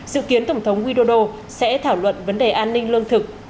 dự kiến tổng thống widodo sẽ thảo luận vấn đề an ninh lương thực